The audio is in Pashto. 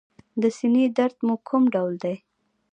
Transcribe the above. د سینې درد مو کوم ډول دی؟